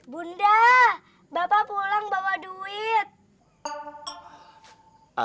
bunda bapak pulang bawa duit